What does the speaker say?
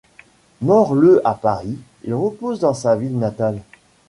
Mort le à Paris, il repose dans sa ville natale.